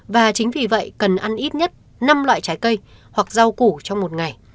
và chính vì vậy cần ăn ít nhất năm loại trái cây hoặc rau củ trong một ngày